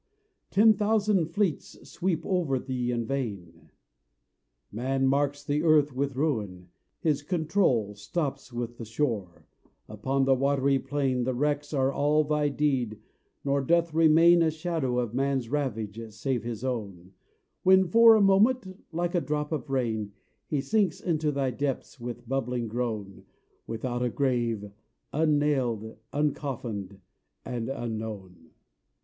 Ten thousand fleets sweep over thee in vain; Man marks the earth with ruin, his control Stops with the shore; upon the watery plain The wrecks are all thy deed, nor doth remain A shadow of man's ravage, save his own, When for a moment, like a drop of rain, He sinks into thy depths with bubbling groan Without a grave, unknelled, uncoffined, and unknown.